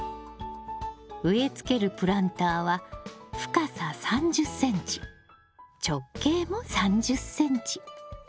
植えつけるプランターは深さ３０ｃｍ直径も３０ｃｍ。